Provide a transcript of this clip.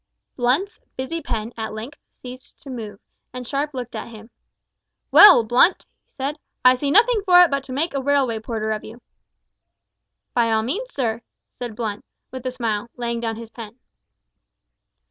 Blunt's busy pen at length ceased to move, and Sharp looked at him. "Well, Blunt," he said, "I see nothing for it but to make a railway porter of you." "By all means, sir," said Blunt, with a smile, laying down his pen.